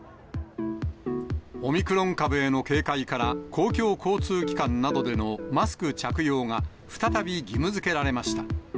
オミクロン株への警戒から、公共交通機関などでのマスク着用が再び義務づけられました。